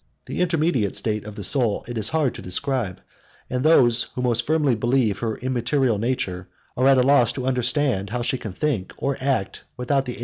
107 The intermediate state of the soul it is hard to decide; and those who most firmly believe her immaterial nature, are at a loss to understand how she can think or act without the agency of the organs of sense.